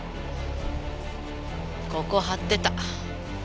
ここ張ってた。